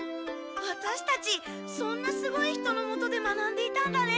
ワタシたちそんなすごい人のもとで学んでいたんだね。